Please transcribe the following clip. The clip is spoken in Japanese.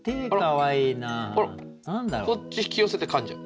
こっち引き寄せてかんじゃう。